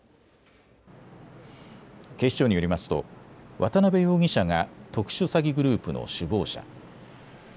警視庁によりますと渡邉容疑者が特殊詐欺グループの首謀者。